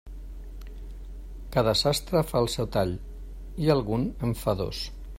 Cada sastre fa el seu tall, i algun en fa dos.